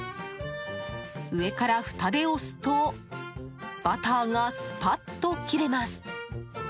上からふたで押すとバターがスパッと切れます。